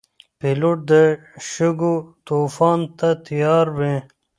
پیلوټ د شګو طوفان ته تیار وي.